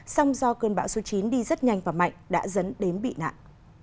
song do cơn bão số chín đi rất nhanh và mạnh đã dẫn đến bị nạn